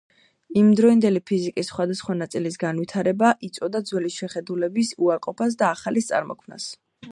იმდროინდელი ფიზიკის სხვადასხვა ნაწილის განვითარება იწვევდა ძველი შეხედულების უარყოფას და ახალის წარმოქმნას.